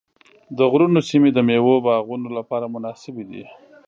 د غرونو سیمې د مېوو باغونو لپاره مناسبې دي.